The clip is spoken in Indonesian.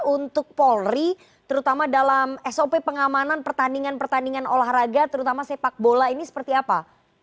untuk polri terutama dalam sop pengamanan pertandingan pertandingan olahraga terutama sepak bola ini seperti apa